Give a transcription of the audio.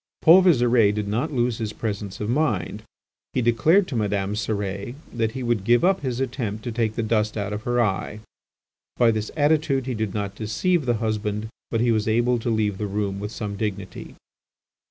Paul Visire did not lose his presence of mind. He declared to Madame Cérès that he would give up his attempt to take the dust out of her eye. By this attitude he did not deceive the husband, but he was able to leave the room with some dignity.